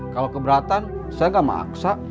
kalau keberatan saya gak maksa